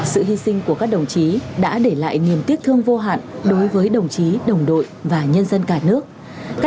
sự hy sinh của các đồng chí đã để lại niềm tiếc thương vô hạn đối với đồng chí đồng đội và nhân dân cả nước